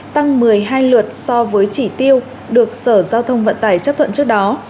tăng một mươi hai lượt so với chỉ tiêu được sở giao thông vận tải chấp thuận trước đó